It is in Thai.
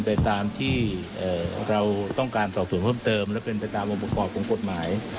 เป็นตามที่เราต้องการสอบส่วนเพิ่มเติมและเป็นตามวงพกษ์ออกกำลักษณ์หมาย